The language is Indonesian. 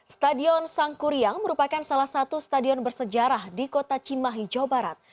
stadion sangkuriang merupakan salah satu stadion bersejarah di kota cimahi jawa barat